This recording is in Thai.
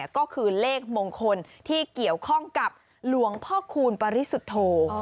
ก็คือเลขมงคลที่เกี่ยวข้องกับหลวงพ่อคูณปริสุทธโธ